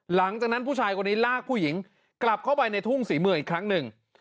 หลังจากนั้นผู้ชายคนนี้ลากผู้หญิงกลับเข้าไปในทุ่งศรีเมืองอีกครั้งหนึ่ง